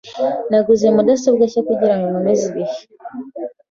Naguze mudasobwa nshya kugirango nkomeze ibihe.